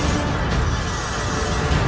kalau kamu menyusahkan